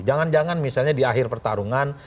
jangan jangan misalnya di akhir pertarungan